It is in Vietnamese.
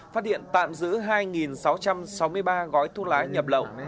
phát hiện tạm giữ hai sáu trăm sáu mươi ba gói thuốc lá nhập lậu